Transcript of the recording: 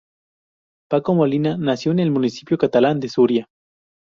Paco Molina nació en el municipio catalán de Suria.